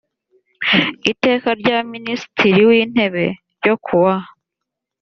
iteka rya ministiri w’ intebe ryo ku wa